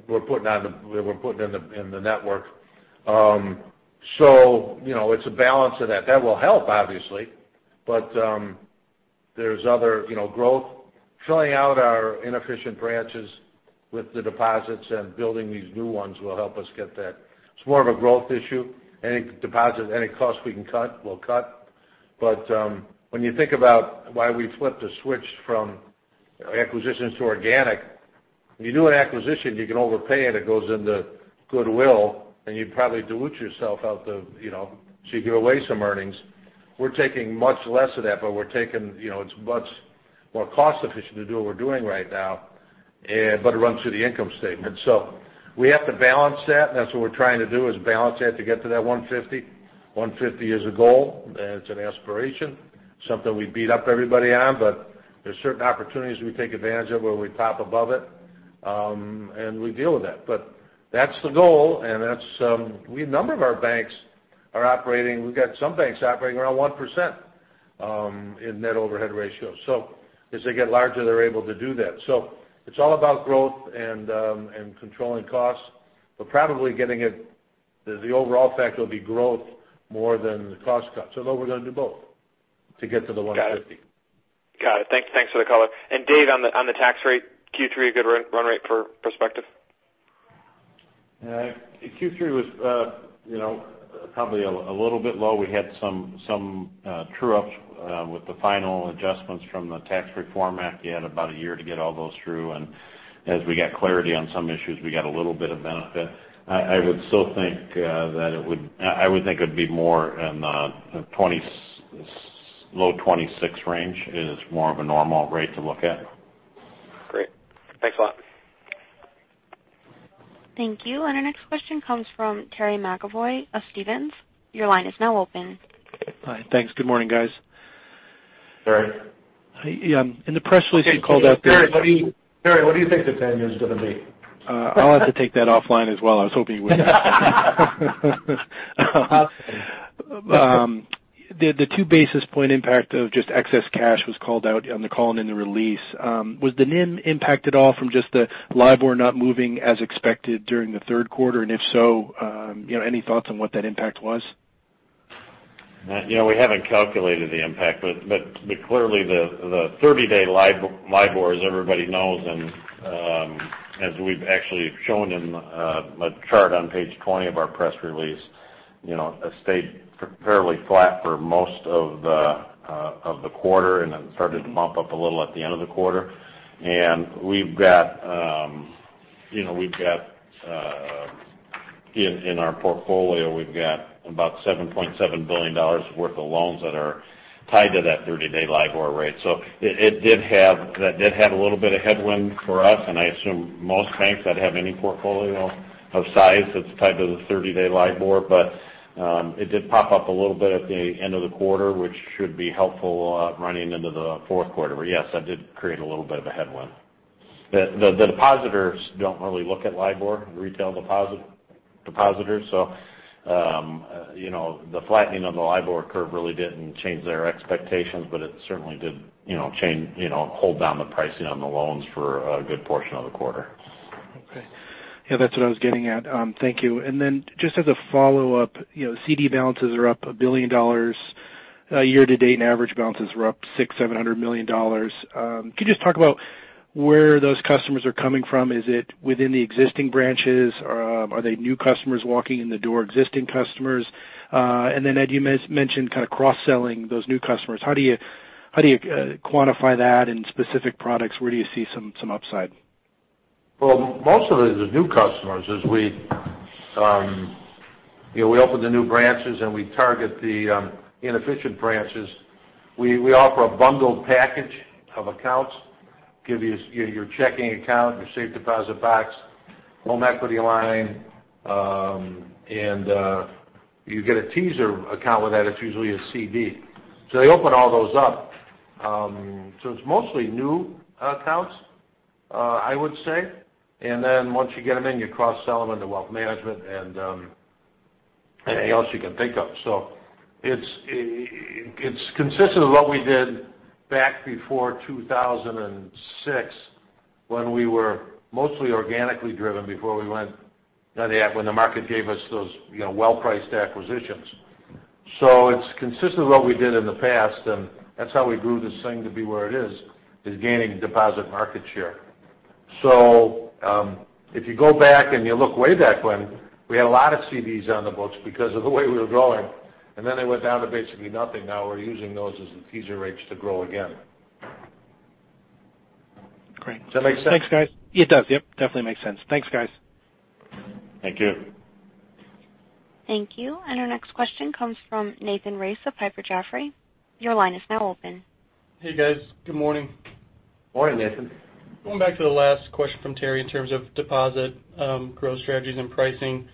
we're putting in the network. It's a balance of that. That will help, obviously. There's other growth. Filling out our inefficient branches with the deposits and building these new ones will help us get that. It's more of a growth issue. Any deposit, any cost we can cut, we'll cut. When you think about why we flipped a switch from acquisitions to organic, when you do an acquisition, you can overpay it. It goes into goodwill, and you probably dilute yourself so you give away some earnings. We're taking much less of that. It's much more cost efficient to do what we're doing right now, but it runs through the income statement. We have to balance that, and that's what we're trying to do is balance that to get to that 150. 150 is a goal, and it's an aspiration, something we beat up everybody on. There's certain opportunities we take advantage of where we pop above it, and we deal with that. That's the goal. A number of our banks are operating. We've got some banks operating around 1% in net overhead ratio. As they get larger, they're able to do that. It's all about growth and controlling costs, but probably getting it to the overall effect will be growth more than the cost cut. Although we're going to do both to get to the 150. Got it. Thanks for the color. Dave, on the tax rate, Q3 a good run rate for perspective? Q3 was probably a little bit low. We had some true-ups with the final adjustments from the tax reform act. You had about a year to get all those through. As we got clarity on some issues, we got a little bit of benefit. I would think it'd be more in the low 26% range is more of a normal rate to look at. Great. Thanks a lot. Thank you. Our next question comes from Terry McEvoy of Stephens. Your line is now open. Hi. Thanks. Good morning, guys. Terry. Yeah. In the press release you called out the. Terry, what do you think the 10-year is going to be? I'll have to take that offline as well. I was hoping you wouldn't ask that. The two basis point impact of just excess cash was called out on the call and in the release. Was the NIM impacted at all from just the LIBOR not moving as expected during the third quarter? If so, any thoughts on what that impact was? Clearly the 30-day LIBOR, as everybody knows, and as we've actually shown in a chart on page 20 of our press release, stayed fairly flat for most of the quarter and then started to bump up a little at the end of the quarter. In our portfolio, we've got about $7.7 billion worth of loans that are tied to that 30-day LIBOR rate. That did have a little bit of headwind for us, and I assume most banks that have any portfolio of size that's tied to the 30-day LIBOR. It did pop up a little bit at the end of the quarter, which should be helpful running into the fourth quarter. Yes, that did create a little bit of a headwind. The depositors don't really look at LIBOR, retail depositors. The flattening of the LIBOR curve really didn't change their expectations, but it certainly did hold down the pricing on the loans for a good portion of the quarter. Okay. Yeah, that's what I was getting at. Thank you. Just as a follow-up, CD balances are up $1 billion year-to-date, and average balances were up $600 million, $700 million. You just talk about where those customers are coming from? Is it within the existing branches? Are they new customers walking in the door, existing customers? Ed, you mentioned kind of cross-selling those new customers. How do you quantify that in specific products? Where do you see some upside? Well, most of it is new customers. As we open the new branches and we target the inefficient branches, we offer a bundled package of accounts, give you your checking account, your safe deposit box, home equity line, and you get a teaser account with that. It's usually a CD. They open all those up. It's mostly new accounts, I would say. Once you get them in, you cross-sell them into wealth management and anything else you can think of. It's consistent with what we did back before 2006 when we were mostly organically driven, before we went when the market gave us those well-priced acquisitions. It's consistent with what we did in the past, and that's how we grew this thing to be where it is gaining deposit market share. If you go back and you look way back when, we had a lot of CDs on the books because of the way we were growing, and then they went down to basically nothing. Now we're using those as teaser rates to grow again. Great. Does that make sense? Thanks, guys. It does. Yep. Definitely makes sense. Thanks, guys. Thank you. Thank you. Our next question comes from Nathan Race of Piper Sandler. Your line is now open. Hey, guys. Good morning. Morning, Nathan. Going back to the last question from Terry in terms of deposit growth strategies and pricing.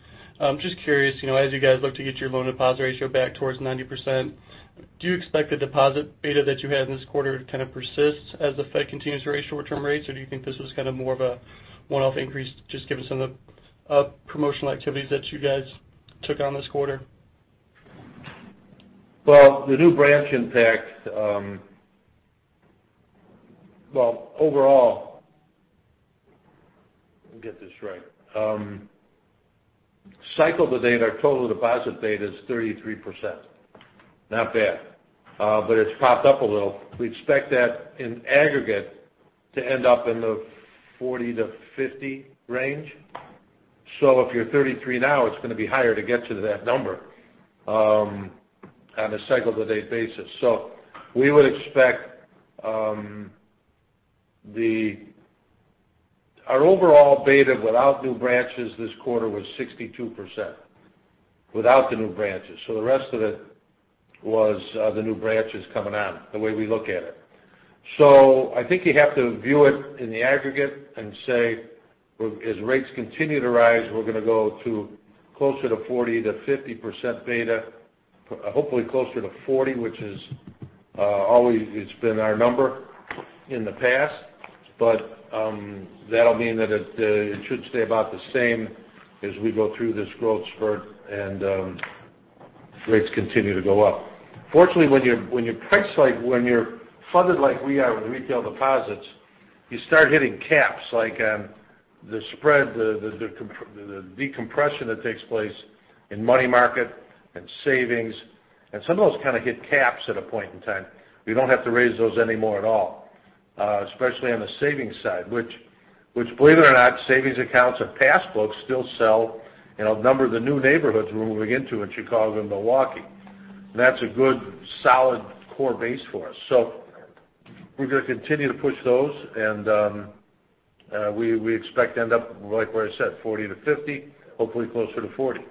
Just curious, as you guys look to get your loan deposit ratio back towards 90%, do you expect the deposit beta that you had in this quarter to kind of persist as the Fed continues to raise short-term rates? Or do you think this was kind of more of a one-off increase just given some of the promotional activities that you guys took on this quarter? Overall. Let me get this right. Cycle-to-date, our total deposit beta is 33%. Not bad. It's popped up a little. We expect that in aggregate to end up in the 40%-50% range. If you're 33% now, it's going to be higher to get to that number on a cycle-to-date basis. We would expect our overall beta without new branches this quarter was 62%, without the new branches. The rest of it was the new branches coming on, the way we look at it. I think you have to view it in the aggregate and say, as rates continue to rise, we're going to go to closer to 40%-50% beta. Hopefully closer to 40%, which always has been our number in the past. That'll mean that it should stay about the same as we go through this growth spurt and rates continue to go up. Fortunately, when you're funded like we are with retail deposits, you start hitting caps. Like the spread, the decompression that takes place in money market and savings, and some of those kind of hit caps at a point in time. We don't have to raise those anymore at all. Especially on the savings side, which believe it or not, savings accounts and passbooks still sell in a number of the new neighborhoods we're moving into in Chicago and Milwaukee. That's a good solid core base for us. We're going to continue to push those, and we expect to end up, like what I said, 40%-50%. Hopefully closer to 40%.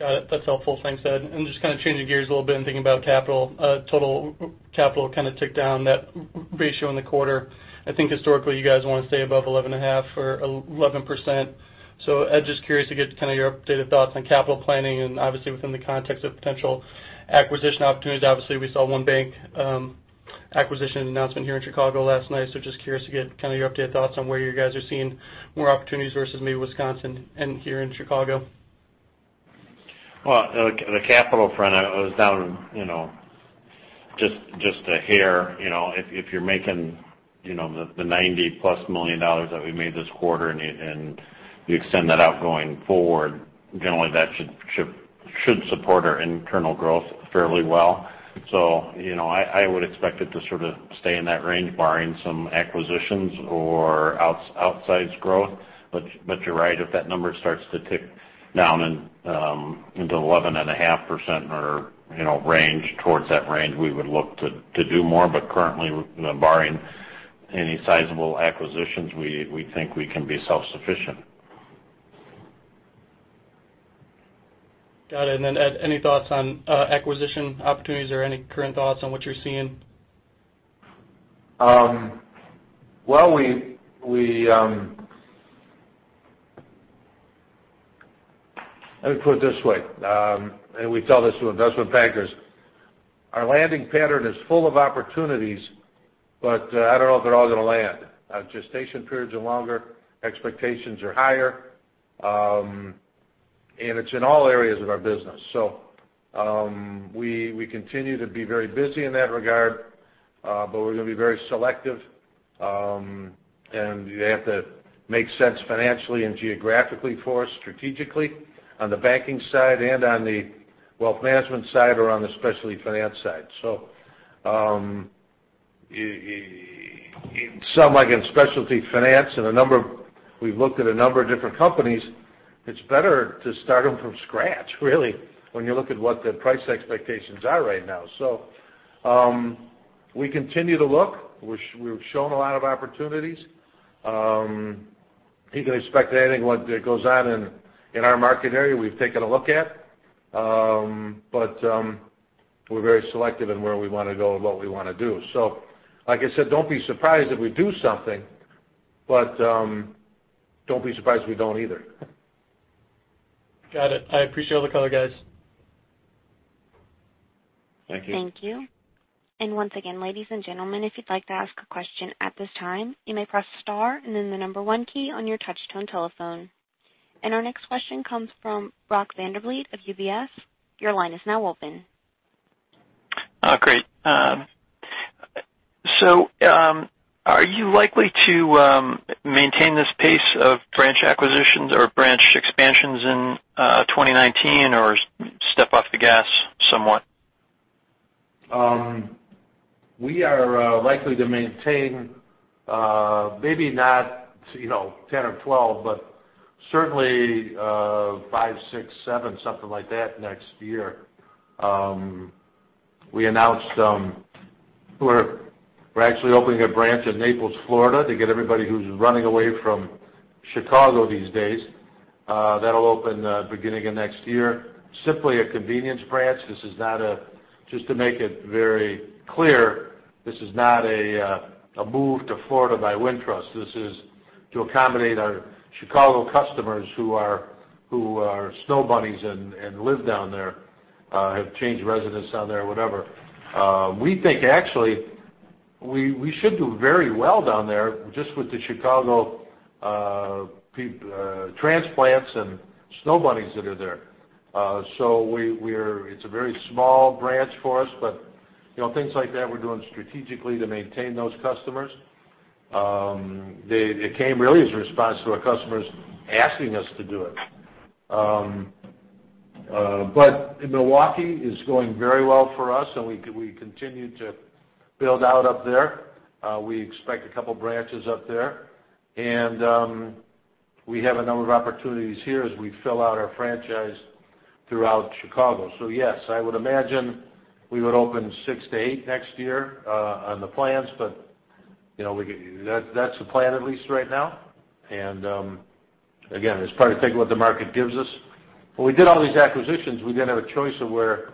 Got it. That's helpful. Thanks, Ed. Just kind of changing gears a little bit and thinking about capital. Total capital kind of ticked down that ratio in the quarter. I think historically you guys want to stay above 11.5% or 11%. Ed, just curious to get kind of your updated thoughts on capital planning and obviously within the context of potential acquisition opportunities. Obviously, we saw one bank acquisition announcement here in Chicago last night. Just curious to get kind of your updated thoughts on where you guys are seeing more opportunities versus maybe Wisconsin and here in Chicago. Well, on the capital front, I was down just a hair. If you're making the $90-plus million that we made this quarter, you extend that out going forward, generally that should support our internal growth fairly well. I would expect it to sort of stay in that range, barring some acquisitions or outsized growth. You're right. If that number starts to tick down into 11.5% or towards that range, we would look to do more. Currently, barring any sizable acquisitions, we think we can be self-sufficient. Got it. Ed, any thoughts on acquisition opportunities or any current thoughts on what you're seeing? Well, let me put it this way, we tell this to investment bankers. Our landing pattern is full of opportunities, I don't know if they're all going to land. Our gestation periods are longer, expectations are higher, it's in all areas of our business. We continue to be very busy in that regard, we're going to be very selective. They have to make sense financially and geographically for us strategically on the banking side and on the wealth management side or on the specialty finance side. In some, like in specialty finance, we've looked at a number of different companies. It's better to start them from scratch, really, when you look at what the price expectations are right now. We continue to look. We've shown a lot of opportunities. You can expect anything that goes on in our market area, we've taken a look at. We're very selective in where we want to go and what we want to do. Like I said, don't be surprised if we do something, but don't be surprised if we don't either. Got it. I appreciate all the color, guys. Thank you. Thank you. Once again, ladies and gentlemen, if you'd like to ask a question at this time, you may press star and then the number 1 key on your touch-tone telephone. Our next question comes from Brock Vandervliet of UBS. Your line is now open. Great. Are you likely to maintain this pace of branch acquisitions or branch expansions in 2019 or step off the gas somewhat? We are likely to maintain maybe not 10 or 12, but certainly five, six, seven, something like that next year. We announced we're actually opening a branch in Naples, Florida to get everybody who's running away from Chicago these days. That'll open beginning of next year. Simply a convenience branch. Just to make it very clear, this is not a move to Florida by Wintrust. This is to accommodate our Chicago customers who are snow bunnies and live down there, have changed residence down there, whatever. We think actually, we should do very well down there just with the Chicago transplants and snow bunnies that are there. It's a very small branch for us, but things like that we're doing strategically to maintain those customers. It came really as a response to our customers asking us to do it. Milwaukee is going very well for us, and we continue to build out up there. We expect a couple branches up there. We have a number of opportunities here as we fill out our franchise throughout Chicago. Yes, I would imagine we would open six to eight next year on the plans. That's the plan at least right now. Again, it's probably taking what the market gives us. When we did all these acquisitions, we didn't have a choice of where.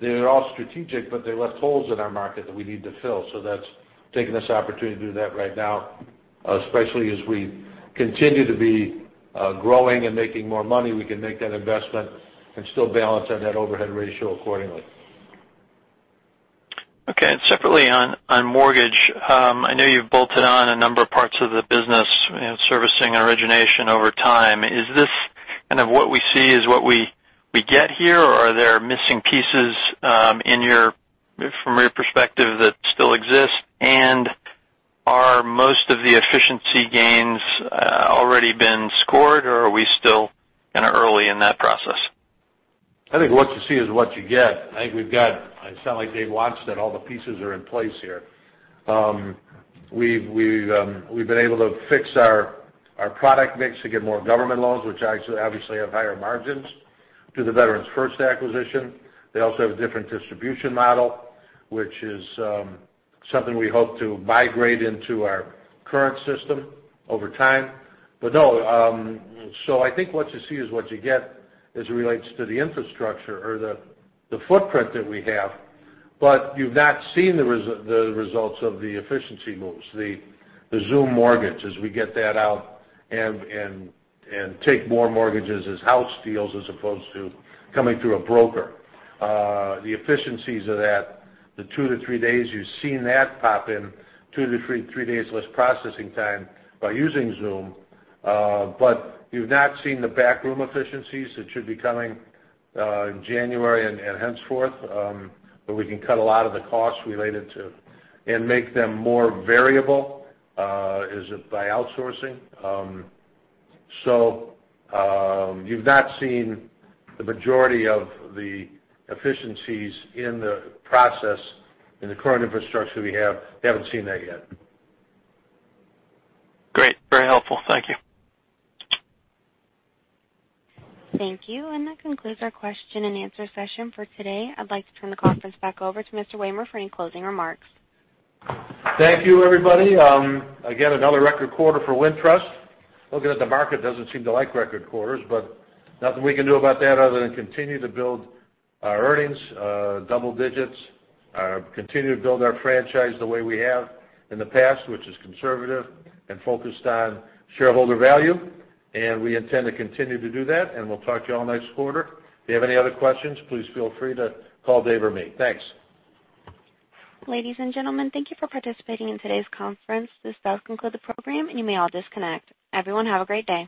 They're all strategic, but they left holes in our market that we need to fill. That's taking this opportunity to do that right now, especially as we continue to be growing and making more money. We can make that investment and still balance on that overhead ratio accordingly. Okay. Separately on mortgage. I know you've bolted on a number of parts of the business in servicing and origination over time. Is this kind of what we see is what we get here? Are there missing pieces from your perspective that still exist? Are most of the efficiency gains already been scored or are we still kind of early in that process? It sounds like Dave Starr wants that all the pieces are in place here. We've been able to fix our product mix to get more government loans, which obviously have higher margins through the Veterans First Mortgage acquisition. They also have a different distribution model, which is something we hope to migrate into our current system over time. No, I think what you see is what you get as it relates to the infrastructure or the footprint that we have. You've not seen the results of the efficiency moves. The ZūM mortgage, as we get that out and take more mortgages as house deals as opposed to coming through a broker. The efficiencies of that, the two to three days you've seen that pop in, two to three days less processing time by using ZūM. You've not seen the back room efficiencies that should be coming in January and henceforth where we can cut a lot of the costs related to and make them more variable by outsourcing. You've not seen the majority of the efficiencies in the process in the current infrastructure we have. You haven't seen that yet. Great. Very helpful. Thank you. Thank you. That concludes our question and answer session for today. I'd like to turn the conference back over to Mr. Wehmer for any closing remarks. Thank you, everybody. Again, another record quarter for Wintrust. Looking at the market doesn't seem to like record quarters, but nothing we can do about that other than continue to build our earnings, double digits. Continue to build our franchise the way we have in the past, which is conservative and focused on shareholder value. We intend to continue to do that, and we'll talk to you all next quarter. If you have any other questions, please feel free to call Dave or me. Thanks. Ladies and gentlemen, thank you for participating in today's conference. This does conclude the program, and you may all disconnect. Everyone have a great day.